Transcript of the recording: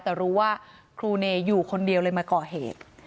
แต่รู้ว่าครูเนอยู่คนเดียวเลยมาก่อเหตุ